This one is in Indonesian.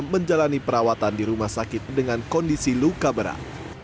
menjalani perawatan di rumah sakit dengan kondisi luka berat